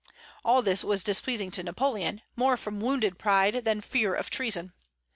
All this was displeasing to Napoleon, more from wounded pride than fear of treason.